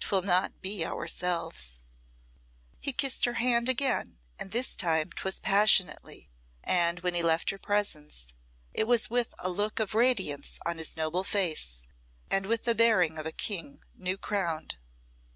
'Twill not be ourselves." He kissed her hand again, and this time 'twas passionately, and when he left her presence it was with a look of radiance on his noble face, and with the bearing of a king new crowned.